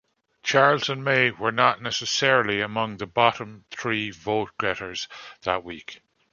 Charles and Mae were not necessarily among the bottom three vote-getters that week.